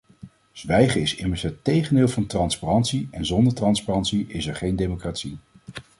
Zwijgen is immers het tegendeel van transparantie en zonder transparantie is er geen democratie.